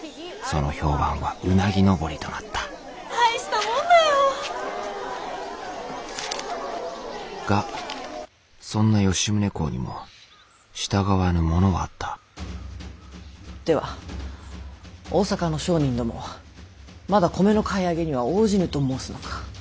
その評判はうなぎ登りとなった大したもんだよ。がそんな吉宗公にも従わぬ者はあったでは大坂の商人どもはまだ米の買い上げには応じぬと申すのか。